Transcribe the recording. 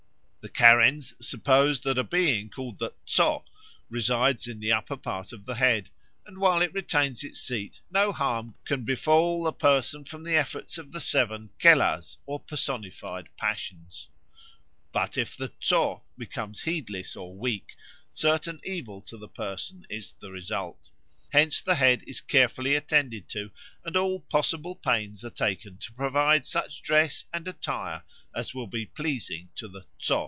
The Karens suppose that a being called the tso resides in the upper part of the head, and while it retains its seat no harm can befall the person from the efforts of the seven Kelahs, or personified passions. "But if the tso becomes heedless or weak certain evil to the person is the result. Hence the head is carefully attended to, and all possible pains are taken to provide such dress and attire as will be pleasing to the _tso.